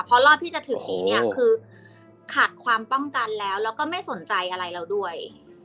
เพราะรอบที่จะถึงนี้เนี่ยคือขาดความป้องกันแล้วแล้วก็ไม่สนใจอะไรเราด้วย